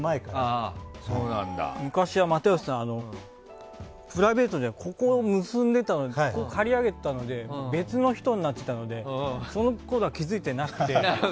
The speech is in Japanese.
昔は、又吉さんプライベートで、ここを結んでて横を刈り上げてたので別の人になってたので気づいていなくて。